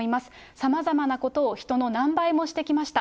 さまざまなことを人の何倍もしてきました。